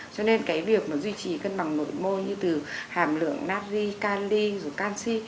cho nên cái việc mà duy trì cân bằng nội môi như từ hàm lượng natri kali rồi canxi